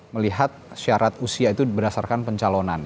melihat syarat usia itu berdasarkan pencalonan